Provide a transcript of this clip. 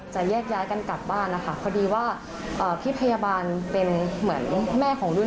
แยกย้ายกันกลับบ้านนะคะพอดีว่าพี่พยาบาลเป็นเหมือนแม่ของนุ่น